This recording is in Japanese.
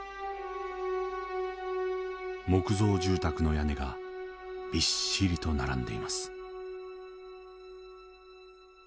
木造住宅の屋根がびっしりと並んでいます。